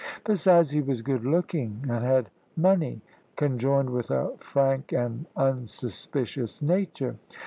Besides, he was good looking, and had money, conjoined with a frank and unsuspicious nature.